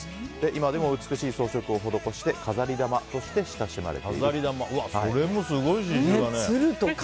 今でも美しい装飾を施して飾り玉として親しまれていると。